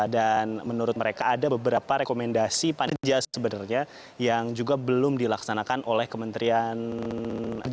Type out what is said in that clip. dan menurut mereka ada beberapa rekomendasi panitia sebenarnya yang juga belum dilaksanakan oleh kementerian kerja